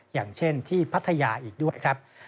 อย่างเช่นที่พัทยาอีกด้วยครับ